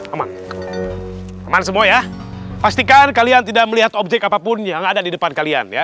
aman aman semua ya pastikan kalian tidak melihat objek apapun yang ada di depan kalian ya